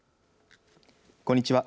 こんにちは。